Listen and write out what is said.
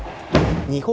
日本